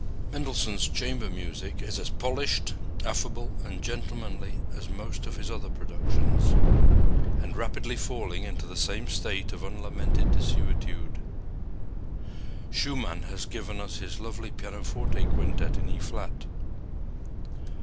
Mendelssohn's chamber music is as polished, affable and gentlemanly as most of his other productions, and rapidly falling into the same state of unlamented desuetude. Schumann has given us his lovely pianoforte quintet in E flat.